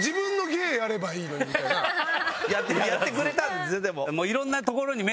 やってくれたんですねでも。